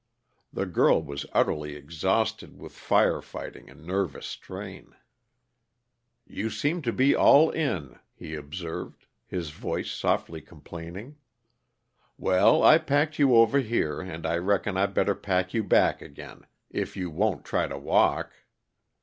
The girl was utterly exhausted with fire fighting and nervous strain. "You seem to be all in," he observed, his voice softly complaining. "Well, I packed you over here, and I reckon I better pack you back again if you won't try to walk."